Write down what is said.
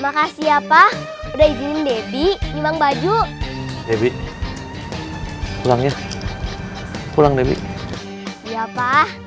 makasih ya pak udah izinin debbie memang baju debbie pulangnya pulang lebih ya pak